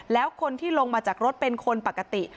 แล้วคนที่ลงมาจากรถเป็นคนปกติ